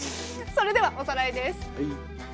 それではおさらいです。